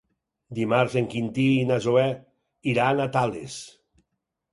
Dimarts en Quintí i na Zoè iran a Tales.